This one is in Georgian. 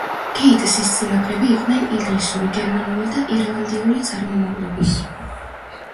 გეიტსის წინაპრები იყვნენ ინგლისური, გერმანული და ირლანდიული წარმომავლობის.